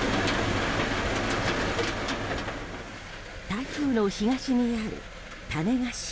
台風の東にある種子島。